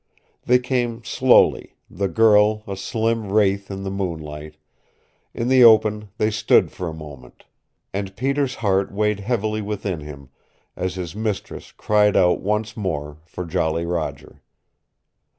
They came slowly, the girl a slim wraith in the moon light; in the open they stood for a moment, and Peter's heart weighed heavily within him as his mistress cried out once more for Jolly Roger.